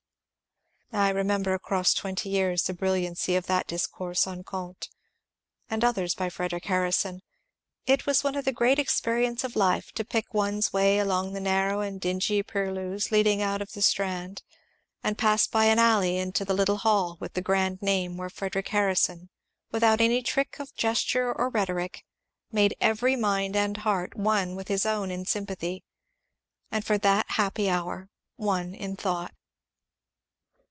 I remember across twenty years the brilliancy of that dis course on Comte, and others by Frederic Harrison. It was one of the great experiences of life to pick one's way along the narrow and dingy purlieus leading out of the Strand and 384 MONCURE DANIEL CONWAY pass by an alley into the little hall with the grand name where Frederic Harrison, without any trick of gesture or rhetoric, made every mind and heart one with his own in sympathy, and for the happy hour one in thought.